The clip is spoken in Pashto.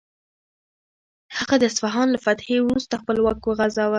هغه د اصفهان له فتحې وروسته خپل واک وغځاوه.